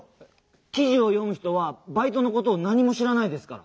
きじをよむ人はバイトのことをなにもしらないですから。